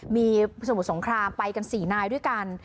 มีสมุทรสงครามไปกัน๔นายด้วยกัน